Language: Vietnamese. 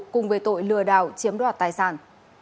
cùng với tội lừa đảo chiếm đoạt tài sản